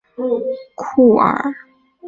乌特雷梅库尔。